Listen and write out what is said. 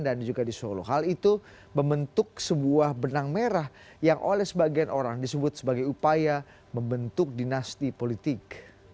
dan juga di solo hal itu membentuk sebuah benang merah yang oleh sebagian orang disebut sebagai upaya membentuk dinasti politik